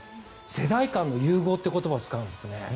世代間の融合という言葉を使うんですね。